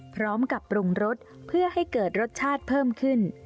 พร้อมกับปรุงรสเพื่อให้เกิดรสชาติเพิ่มขึ้น